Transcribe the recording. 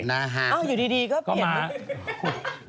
อ้าวอยู่ดีก็เปลี่ยน